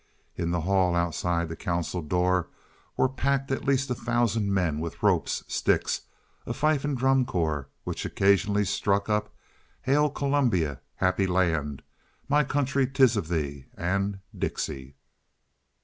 In the hall outside the council door were packed at least a thousand men with ropes, sticks, a fife and drum corps which occasionally struck up "Hail! Columbia, Happy Land," "My Country, 'Tis of Thee," and "Dixie."